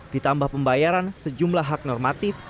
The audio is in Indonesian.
ditambah pembayaran sejumlah hak normatif